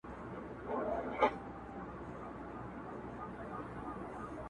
خو چي لوی سي تل د ده په ځان بلاوي -